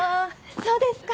そうですか？